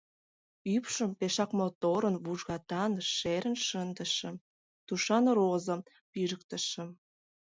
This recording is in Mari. Ӱпшым пешак моторын вужгатан шерын шындышым, тушан розам пижыктышым.